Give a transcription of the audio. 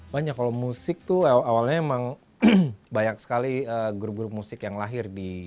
banyak kalau musik tuh awalnya emang banyak sekali grup grup musik yang lahir di